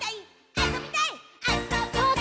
「あそびたいっ！」